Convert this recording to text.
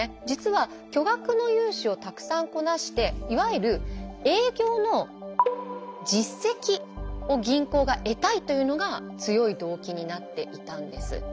実は巨額の融資をたくさんこなしていわゆる営業の「実績」を銀行が得たいというのが強い動機になっていたんです。